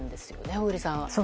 小栗さん。